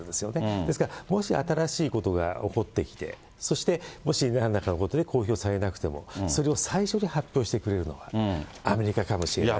ですからもし新しいことが起こってきて、そしてもしなんらかのことで、公表されなくても、それを最初に発表してくれるのが、アメリカかもしれないですし。